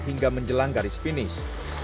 hingga menjelang garis finish